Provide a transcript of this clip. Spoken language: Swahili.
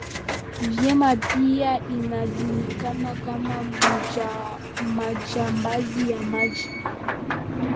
vyema Pia inajulikana kama majambazi ya maji